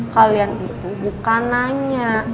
kalian itu bukan nanya